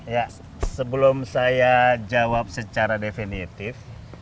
ya sebelum saya jawab secara definitif